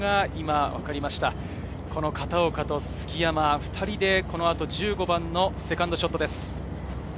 片岡と杉山、２人でこの後、１５番のセカンドショットです。